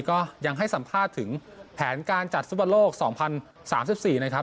ก็ยังให้สัมภาษณ์ถึงแผนการจัดฟุตบอลโลก๒๐๓๔นะครับ